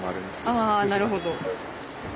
ああなるほど。